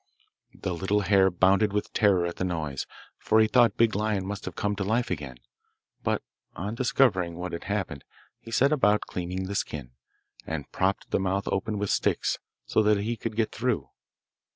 The little hare bounded with terror at the noise, for he thought Big Lion must have come to life again; but on discovering what had happened he set about cleaning the skin, and propped the mouth open with sticks so that he could get through.